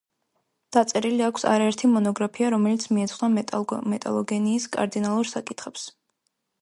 დაწერილი აქვს არაერთი მონოგრაფია, რომელიც მიეძღვნა მეტალოგენიის კარდინალურ საკითხებს.